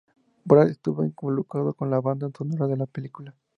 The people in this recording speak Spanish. Braff estuvo involucrado con la banda sonora de la película.